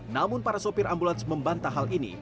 namun para sopir ambulans membantah hal ini